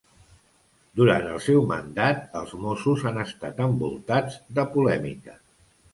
Duran el seu mandat els mossos han estat envoltats de polèmica.